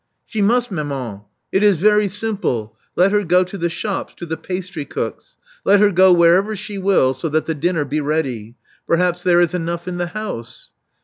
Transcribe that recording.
She must, maman. It is very simple. Let her go to the shops — to the pastrycooks. Let her go wherever she will, so that the dinner be ready. Per haps there is enough in the house."